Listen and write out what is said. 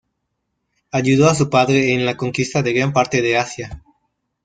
Ayudó a su padre en la conquista de gran parte de Asia.